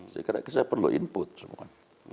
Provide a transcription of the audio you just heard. saya kira saya perlu input semua kan